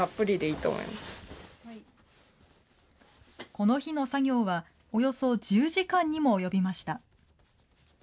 この日の作業は、およそ１０時間にも及びました。